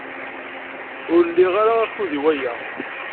Ur liɣ ara akud i waya.